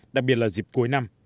đặc biệt là dịp cuối năm